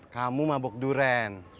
kamu mabuk duren